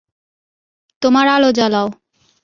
তোমার আলো জ্বালাও!